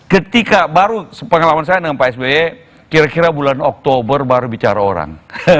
ketika baru sepengalaman saya dengan pak sby kira kira bulan oktober baru bicara orang